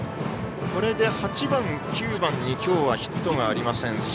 これで８番、９番に今日はヒットがありません。